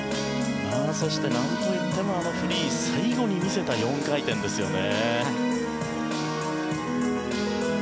そして、なんといってもあのフリー最後に見せた４回転ですよね。